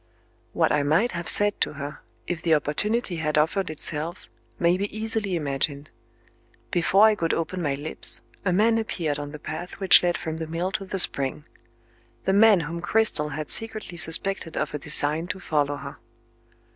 What I might have said to her, if the opportunity had offered itself, may be easily imagined. Before I could open my lips, a man appeared on the path which led from the mill to the spring the man whom Cristel had secretly suspected of a design to follow her.